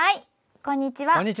こんにちは。